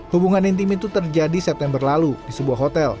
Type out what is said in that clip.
hubungan intim itu terjadi september lalu di sebuah hotel